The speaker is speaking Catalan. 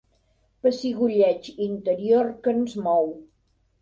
Pessigolleig interior que ens mou.